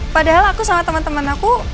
padahal aku sama teman teman aku